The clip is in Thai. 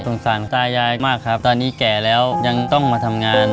สงสารตายายมากครับตอนนี้แก่แล้วยังต้องมาทำงาน